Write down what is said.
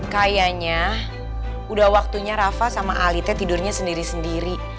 kayanya udah waktunya rafa sama ali tidurnya sendiri sendiri